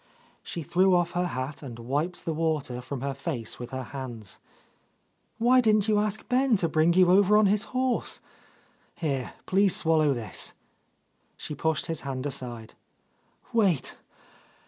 She threw off her hat and wiped the water from her face with her hands. "Why didn't you ask Ben to bring you over on his horse? Here, please swallow this." She pushed his hand aside. "Wait.